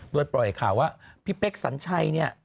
โดยปล่อยข่าวว่าพี่เป๊กสัญชัยเนี่ย